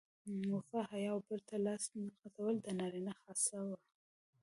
وفا، حیا او بل ته لاس نه غځول د نارینه خاصه وه.